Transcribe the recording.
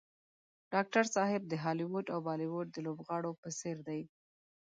ډاکټر صاحب د هالیوډ او بالیوډ د لوبغاړو په څېر دی.